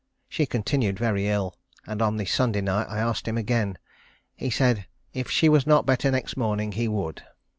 She continued very ill, and on the Sunday night I asked him again. He said if she was not better next morning, he would.